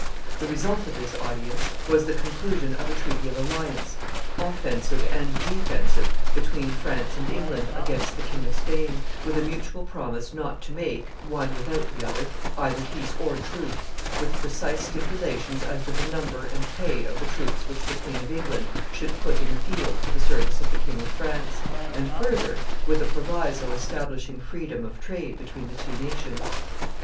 The result of this audience was the conclusion of a treaty of alliance offensive and defensive between France and England against the King of Spain, with a mutual promise not to make, one without the other, either peace or truce, with precise stipulations as to the number and pay of the troops which the Queen of England should put in the field for the service of the King of France, and, further, with a proviso establishing freedom of trade between the two states.